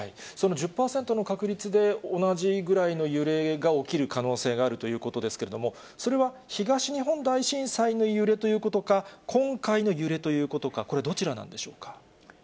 その１０％の確率で同じぐらいの揺れが起きる可能性があるということですけれども、それは東日本大震災の揺れということか、今回の揺れということか、これはどちらなんでしょうか？